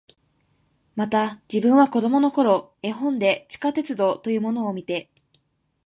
また、自分は子供の頃、絵本で地下鉄道というものを見て、